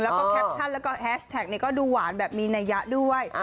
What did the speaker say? แล้วก็แคปชั่นแล้วก็แฮชแท็กก็ดูหวานแบบมีนัยยะด้วย